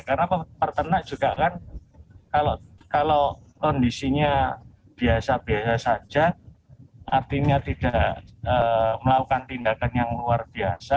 karena peternak juga kan kalau kondisinya biasa biasa saja artinya tidak melakukan tindakan yang luar biasa